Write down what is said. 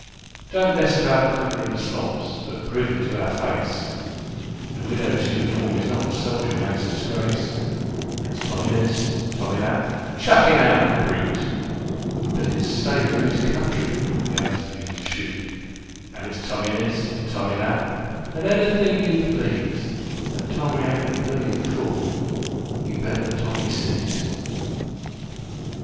Don't mess about the cook room slops, but prove it to our faceThe Widow's Uniform is not the soldier man's disgrace. For it's Tommy this, an' Tommy that, an' "Chuck him out, the brute!" But it's "Saviour of 'is country" when the guns begin to shoot; An' it's Tommy this, an' Tommy that, an' anything you please; An' Tommy ain't a bloomin' fool you bet that Tommy sees!